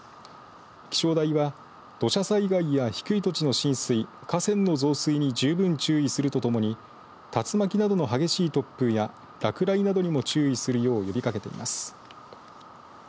気象台は土砂災害や低い土地の浸水河川の増水に十分注意するとともに竜巻などの激しい突風や落雷などにも注意するよう呼びかけています。